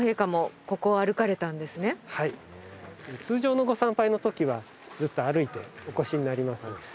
通常のご参拝のときはずっと歩いてお越しになります。